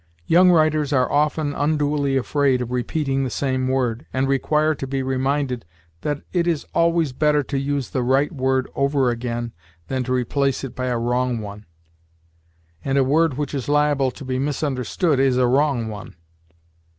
Young writers are often unduly afraid of repeating the same word, and require to be reminded that it is always better to use the right word over again than to replace it by a wrong one and a word which is liable to be misunderstood is a wrong one.